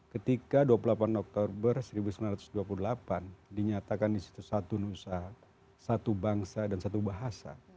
ketika dua puluh delapan oktober seribu sembilan ratus dua puluh delapan dinyatakan di situ satu nusa satu bangsa dan satu bahasa